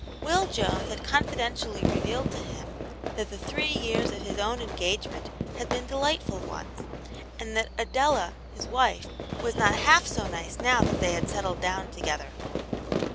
Will Jones had confidentially revealed to him that the three years of his own engagement had been de lightful ones, and that Adela, his wife, was not half so nice now that they had settled down together.